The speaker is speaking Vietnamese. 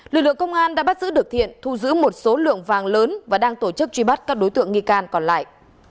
lực lượng công an đã bắt giữ được thiện thu giữ một số lượng vàng lớn và đang tổ chức truy bắt các đối tượng nghi can còn lại